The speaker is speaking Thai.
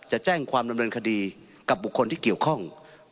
จะแจ้งความดำเนินคดีกับบุคคลที่เกี่ยวข้อง